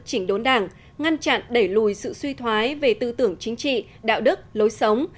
chỉnh đốn đảng ngăn chặn đẩy lùi sự suy thoái về tư tưởng chính trị đạo đức lối sống